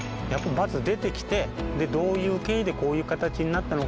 まず出てきてどういう経緯でこういう形になったのか。